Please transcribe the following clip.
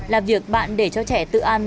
là việc bạn để cho trẻ tự ăn